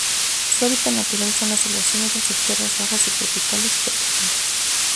Su hábitat natural son las selvas húmedas de tierras bajas subtropicales o tropicales.